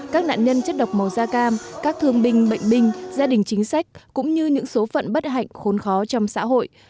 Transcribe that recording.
các nạn nhân chất độc màu da cam các thương binh bệnh binh gia đình chính sách cũng như những số phận bất hạnh khốn khó trong xã hội